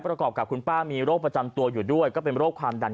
ประกอบกับคุณป้ามีโรคประจำตัวอยู่ด้วยก็เป็นโรคความดัน